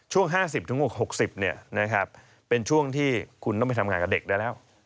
ช่วง๕๐๖๐เป็นช่วงที่คุณต้องไปทำงานกับเด็กได้แล้ว